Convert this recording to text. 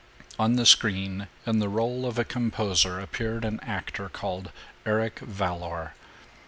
On the screen, in the role of a composer, appeared an actor called Eric Valour.